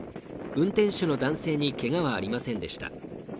運転手の男性にけがはありませんでした。